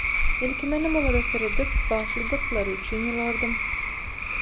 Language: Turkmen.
Ilki menem olara seredip bagtlydyklary üçin ýylgyrdym.